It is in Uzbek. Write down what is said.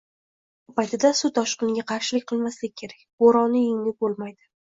To'fon paytida, suv toshqiniga qarshilik qilmaslik kerak, bo'ronni engib bo'lmaydi